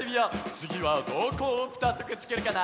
つぎはどこをぴたっとくっつけるかな？